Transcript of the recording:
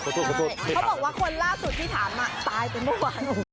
เขาบอกว่าคนล่าสุดที่ถามตายไปเมื่อวาน